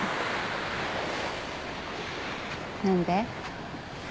何で？